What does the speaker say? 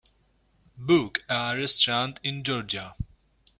book a restaurant in Georgia